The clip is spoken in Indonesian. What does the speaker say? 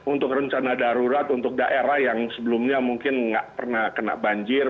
untuk rencana darurat untuk daerah yang sebelumnya mungkin nggak pernah kena banjir